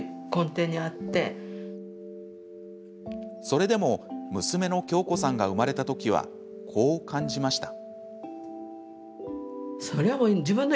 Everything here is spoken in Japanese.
それでも、娘の恭子さんが生まれた時は、こう感じました。